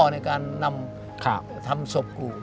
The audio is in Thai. ในการทำศพกู